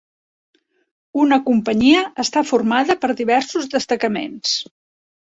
Una companyia està formada per diversos destacaments.